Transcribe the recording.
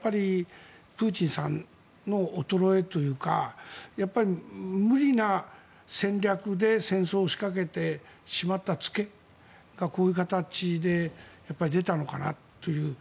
プーチンさんの衰えというか無理な戦略で戦争を仕掛けてしまった付けがこういう形で出たのかなという。